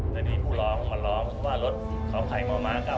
มีความรู้สึกว่ามีความรู้สึกว่า